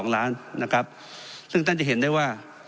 ๒ล้านนะครับซึ่งท่านจะเห็นได้ว่า